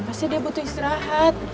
pasti dia butuh istirahat